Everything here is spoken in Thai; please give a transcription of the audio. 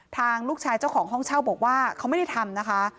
ทางลูกชายเจ้าของห้องเช่าบอกว่าเขาไม่ได้ทำนะคะ